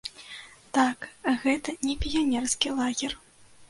Так, гэта не піянерскі лагер.